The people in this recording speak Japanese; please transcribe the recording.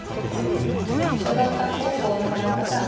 尚学館高校の花岡さん